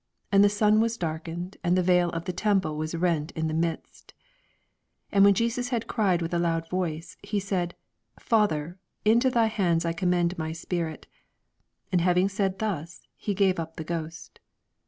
45 And the snn was darkened, and the veil of the temple was rent in the midst 46 And when Jesus had cried with a loud voice, he said, Father, into thy hands I commend my spirit : and hav ing said thus, he gave up the ghost.